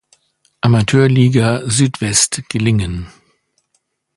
Amateurliga Südwest gelingen.